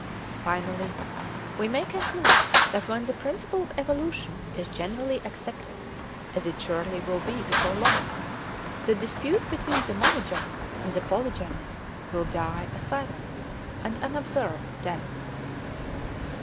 Finally, we may conclude that when the principle of evolution is generally accepted, as it surely will be before long, the dispute between the monogenists and the polygenists will die a silent and unobserved death.